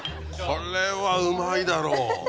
これはうまいだろ。